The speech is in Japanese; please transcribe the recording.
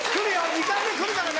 ２回目来るからね。